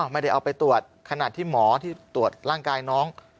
ไม่ได้เอาไปตรวจขนาดที่หมอที่ตรวจร่างกายน้อง